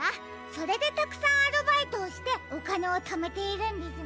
それでたくさんアルバイトをしておかねをためているんですね。